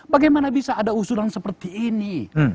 bagaimana bisa ada usulan seperti ini